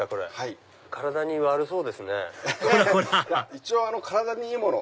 一応体にいいもの